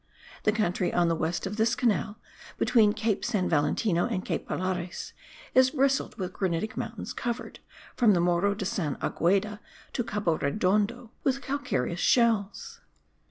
The country on the west of this canal, between Cape San Valentino and Cape Pilares, is bristled with granitic mountains covered (from the Morro de San Agueda to Cabo Redondo) with calcareous shells.